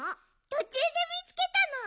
とちゅうでみつけたの。